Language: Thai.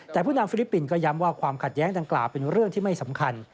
แต่ผู้นำฟิลิปปินส์ก็ย้ำว่าความขัดแย้งดังกล่าวเป็นเรื่องที่ไม่สำคัญ